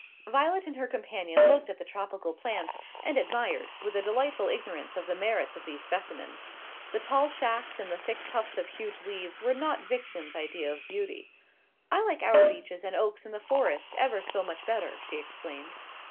Violet and her companion looked at the tropical plants, and admired, with a delightful ignorance of the merits of these specimens. The tall shafts and the thick tufts of huge leaves were not Vixen's idea of beauty. "I like our beeches and oaks in the Forest ever so much better," she exclaimed.